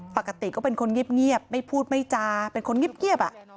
ปกติก็เป็นคนเงียบไม่พูดไม่จาเป็นคนเงียบ